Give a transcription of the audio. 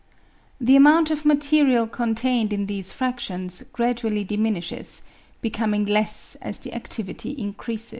The amount of material contained in these fradtions gradually diminishes, becoming less as the activity increases.